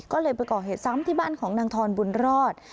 ก็เลยไปก่อเหตุซ้ำที่บ้านของนางทอนบุญรอด